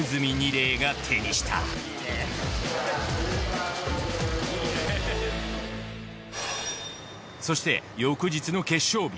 嶺が手にしたそして翌日の決勝日。